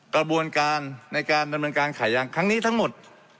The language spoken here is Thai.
กระบวนการในการดำเนินการขายยางครั้งนี้ทั้งหมด